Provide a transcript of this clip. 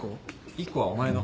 １個はお前の。